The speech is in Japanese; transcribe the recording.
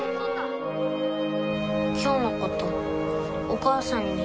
今日のことお母さんには。